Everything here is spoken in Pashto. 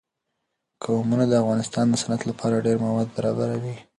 قومونه د افغانستان د صنعت لپاره ډېر مواد برابروي.